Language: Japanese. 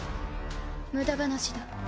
無駄話だ。